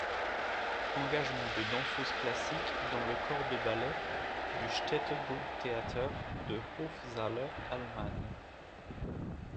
Engagement de danseuse classique dans le corps de ballet du Städtebundtheater de Hof-Saale, Allemagne.